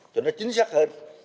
cho nó chính xác hơn